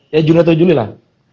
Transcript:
ya juli atau juli lah